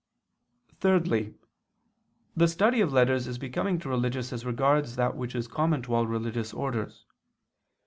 Thirdly, the study of letters is becoming to religious as regards that which is common to all religious orders.